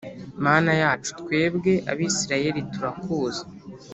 Mana yacu twebwe Abisirayeli turakuzi.